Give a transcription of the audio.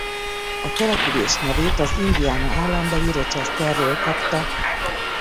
A település nevét az Indiana állambeli Rochesterről kapta.